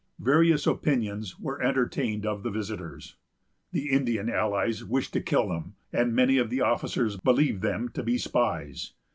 Various opinions were entertained of the visitors. The Indian allies wished to kill them, and many of the officers believed them to be spies.